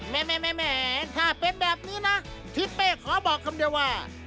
แม่ถ้าเป็นแบบนี้นะทิศเป้ขอบอกคำเดียวว่า